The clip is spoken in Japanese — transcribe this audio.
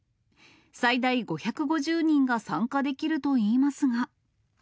最大５５０人が参加できるといいますが。